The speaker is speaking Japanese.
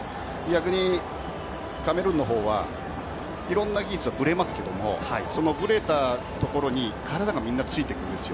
逆にカメルーンのほうはいろんな技術はぶれますがそのぶれたところに体がみんなついていくんです。